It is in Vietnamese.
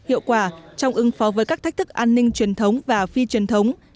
hiệu quả trong ứng phó với các thách thức an ninh truyền thống và phi truyền thống